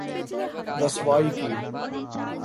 رسوائی کی‘‘۔